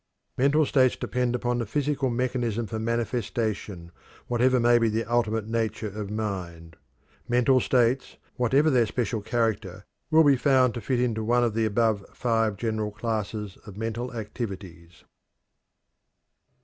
Mental states depend upon the physical mechanism for manifestation, whatever may be the ultimate nature of mind. Mental states, whatever their special character, will be found to fit into one of the above five general classes of mental activities.